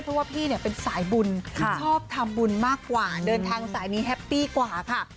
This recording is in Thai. เพราะว่าพี่เนี่ยเป็นสายบุญชอบทำบุญมากกว่าเดินทางสายนี้แฮปปี้กว่าค่ะ